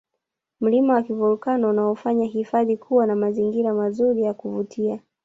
mlima wa kivolkano unaofanya hifadhi kuwa na mazingira mazuri na yakuvutia